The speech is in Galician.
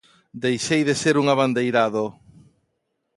Deixei de ser un abandeirado.